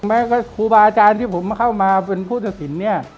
ครูบาอาจารย์ที่ผมเข้ามาเป็นผู้ตัดสินเนี่ย